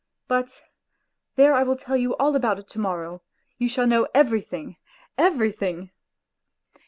... But there I will tell you all about it to morrow, you shall know everything, everything.